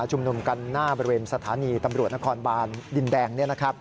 ชุมนุมกันหน้าบริเวณสถานีตำรวจนครบานดินแดง